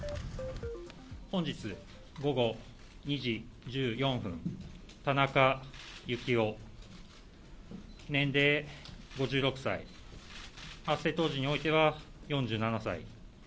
本日午後２時１４分、田中幸雄、年齢５６歳、発生当時においては４７歳。